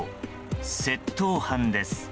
窃盗犯です。